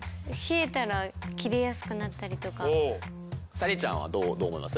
咲莉ちゃんはどう思います？